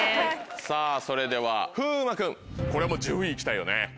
さぁそれでは風磨君これもう１０位行きたいよね。